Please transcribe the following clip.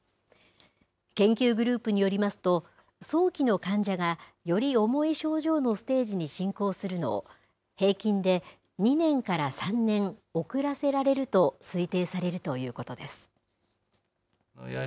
研究グループによりますと、早期の患者がより重い症状のステージに進行するのを、平均で２年から３年、遅らせられると推定されるということです。